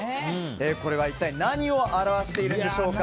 これは一体何を表しているでしょうか。